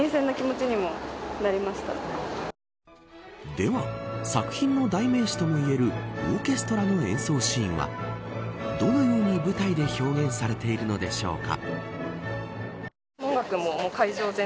では、作品の代名詞ともいえるオーケストラの演奏シーンはどのように舞台で表現されているのでしょうか。